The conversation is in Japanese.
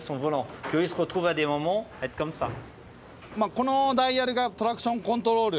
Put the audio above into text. このダイヤルがトラクションコントロール。